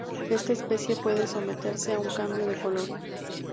Esta especie puede someterse a un cambio de color.